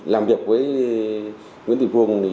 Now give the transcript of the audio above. làm việc với nguyễn thị phương